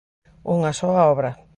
Unha soa obra.